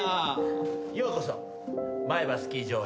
ようこそマエバスキー場へ。